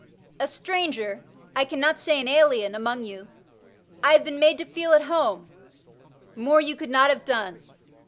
A stranger — ^I cannot say an alien — ^among you, I have been made to feel at home — more you could not have done.